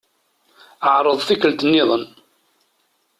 Ɛṛeḍ tikkelt-nniḍen.